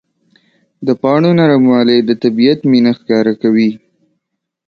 د پاڼو نرموالی د طبیعت مینه ښکاره کوي.